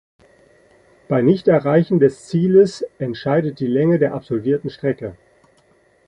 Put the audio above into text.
Bei Nichterreichen des Zieles entscheidet die Länge der absolvierten Strecke.